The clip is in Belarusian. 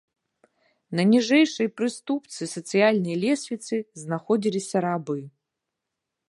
На ніжэйшай прыступцы сацыяльнай лесвіцы знаходзіліся рабы.